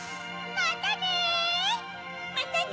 またね